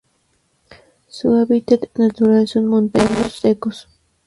Su hábitat natural son montanos secos.